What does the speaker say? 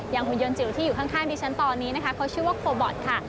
อย่างหุ่นยนต์จิ๋วที่อยู่ข้างดิฉันตอนนี้เขาชื่อว่าโคบอตค่ะ